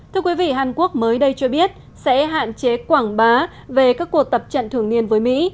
thưa quý vị hàn quốc mới đây cho biết sẽ hạn chế quảng bá về các cuộc tập trận thường niên với mỹ